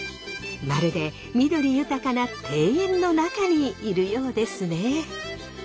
まるで緑豊かな庭園の中にいるようですね。